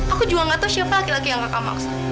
aku juga gak tahu siapa laki laki yang kakak maksa